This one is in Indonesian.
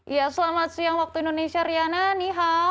ya selamat siang waktu indonesia riana nihal